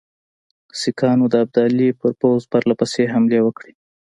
سیکهانو د ابدالي پر پوځ پرله پسې حملې وکړې.